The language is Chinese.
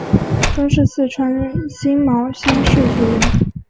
中式四川辛卯乡试举人。